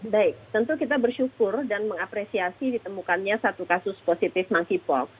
baik tentu kita bersyukur dan mengapresiasi ditemukannya satu kasus positif monkeypox